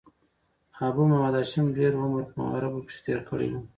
ابو محمد هاشم ډېر عمر په عربو کښي تېر کړی وو.